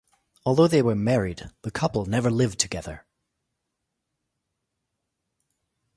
Although they were married, the couple never lived together.